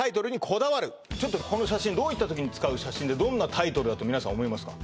ちょっとこの写真どういった時に使う写真でどんなタイトルだと皆さん思いますか？